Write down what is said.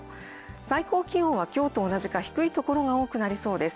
最高気温は今日と同じか低いところが多くなりそうです。